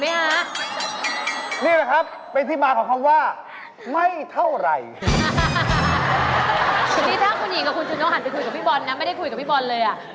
หันไปคุยกับพี่บอลนะไม่ได้คุยกับพี่บอลเลยอ่ะ